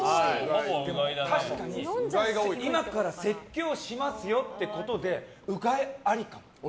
確かに今から説教しますよってことでうがい、ありかも。